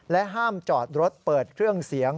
ห้ามจอดรถเปิดเครื่องเสียง